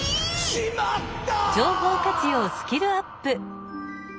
「しまった！」。